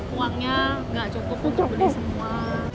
uangnya nggak cukup untuk beli semua